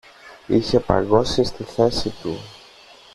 Είχε παγώσει στη θέση του